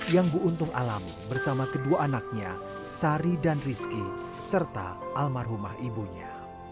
yang bu untung alami bersama kedua anaknya sari dan rizky serta almarhumah ibunya